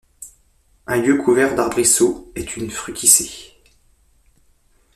Un lieu couvert d'arbrisseaux est une fruticée.